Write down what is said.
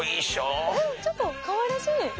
うんちょっとかわいらしい！